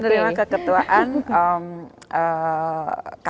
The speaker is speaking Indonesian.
menerima keketuaan oke